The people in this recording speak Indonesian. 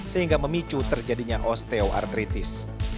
sehingga memicu terjadinya osteoartritis